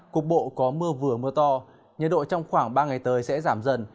cục bộ có mưa vừa mưa to nhiệt độ trong khoảng ba ngày tới sẽ giảm dần